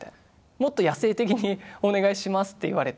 「もっと野性的にお願いします」って言われて。